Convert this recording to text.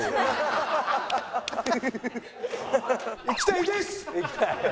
行きたい？